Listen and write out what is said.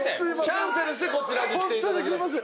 キャンセルしてこちらに来ていただきました。